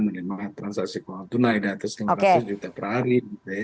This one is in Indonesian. menerima transaksi keuangan tunai di atas lima ratus juta per hari